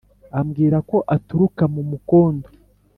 ambwira ko aturuka mu mukondo.